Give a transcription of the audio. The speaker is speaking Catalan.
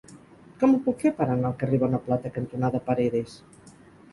Com ho puc fer per anar al carrer Bonaplata cantonada Paredes?